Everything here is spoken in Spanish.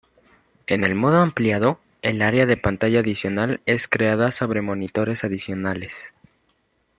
En el modo "Ampliado" el área de pantalla adicional es creada sobre monitores adicionales.